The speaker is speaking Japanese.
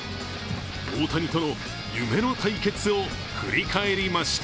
大谷との夢の対決を振り返りました。